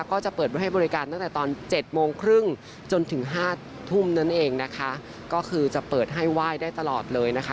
ก็จะเปิดไว้ให้บริการตั้งแต่ตอนเจ็ดโมงครึ่งจนถึงห้าทุ่มนั่นเองนะคะก็คือจะเปิดให้ไหว้ได้ตลอดเลยนะคะ